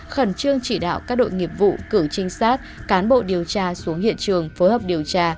khẩn trương chỉ đạo các đội nghiệp vụ cử trinh sát cán bộ điều tra xuống hiện trường phối hợp điều tra